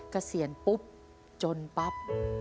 เกษียณปุ๊บจนปั๊บ